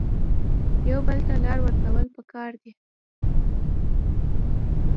یو بل ته لار ورکول پکار دي